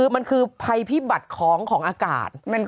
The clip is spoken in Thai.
มันคือภัยพิบัติของอากาศ